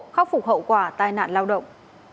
khắc phục hậu quả tai nạn lao động